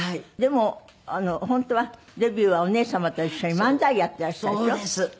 でも本当はデビューはお姉様と一緒に漫才やってらしたでしょ？